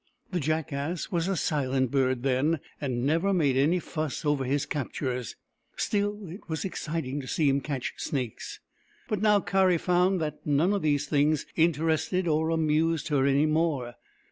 The jackass was a silent bird then, and never made any fuss over his captures : still, it was exciting to see him catch snakes. But now Kari found that none of these things interested or amused her any more.